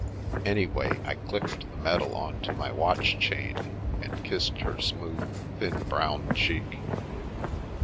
Any way, I clicked the medal on to my watch chain and kissed her smooth, thin brown cheek.